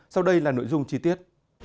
sau đây là nội dung chi tiết